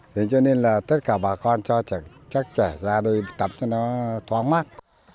thế cho nên là tất cả bà con cho chắc chảy ra đây tắm cho nó thoáng mát